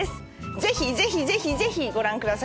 ぜひぜひぜひぜひご覧ください